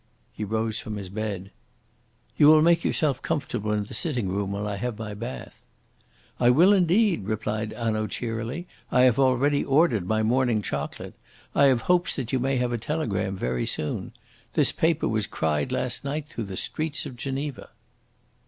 He rose from his bed. "You will make yourself comfortable in the sitting room while I have my bath." "I will, indeed," replied Hanaud cheerily. "I have already ordered my morning chocolate. I have hopes that you may have a telegram very soon. This paper was cried last night through the streets of Geneva."